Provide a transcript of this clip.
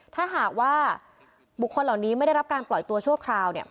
ถ้าหากว่าบุคคลเหล่านี้ไม่ได้รับการปล่อยตัวชั่วคราวเนี่ย